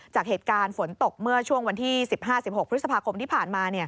จากเหตุการณ์ฝนตกเมื่อช่วงวันที่๑๕๑๖พฤษภาคมที่ผ่านมา